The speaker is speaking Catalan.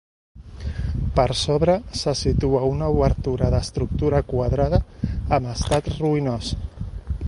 Per sobre, se situa una obertura d'estructura quadrada amb estat ruïnós.